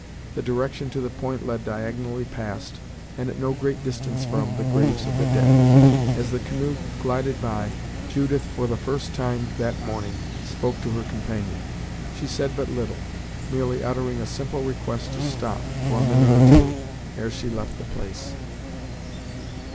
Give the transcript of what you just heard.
The direction to the point led diagonally past, and at no great distance from, the graves of the dead. As the canoe glided by, Judith for the first time that morning spoke to her companion. She said but little; merely uttering a simple request to stop, for a minute or two, ere she left the place.